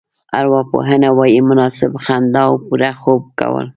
ارواپوهنه وايي مناسبه خندا او پوره خوب کول.